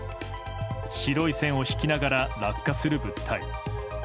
白い線を引きながら落下する物体。